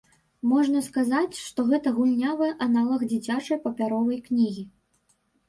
Можна сказаць, што гэта гульнявы аналаг дзіцячай папяровай кнігі.